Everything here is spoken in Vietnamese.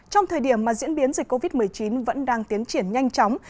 trong thời điểm mà diễn biến dịch covid một mươi chín vẫn đang tiến triển nhanh chóng